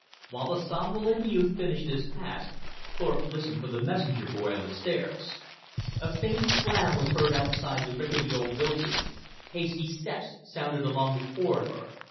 While the somnolent youth finished this task, Thorpe listened for the messenger boy on the stairs. A faint slam was heard outside the rickety old building. Hasty steps sounded along the corridor.